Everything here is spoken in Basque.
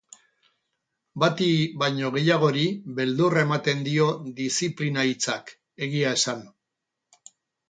Bati baino gehiagori beldurra ematen dio diziplina hitzak, egia esan.